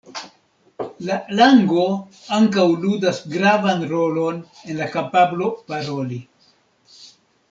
La lango ankaŭ ludas gravan rolon en la kapablo paroli.